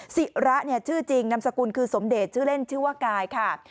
ศิระเนี่ยชื่อจริงนามสกุลคือสมเดชชื่อเล่นชื่อว่ากายค่ะ